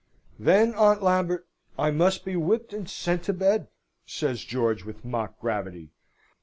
"Then, Aunt Lambert, I must be whipped and sent to bed," says George, with mock gravity.